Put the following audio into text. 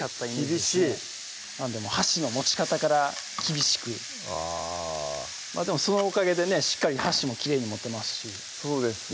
厳しい箸の持ち方から厳しくあぁでもそのおかげでねしっかり箸もきれいに持てますしそうですよね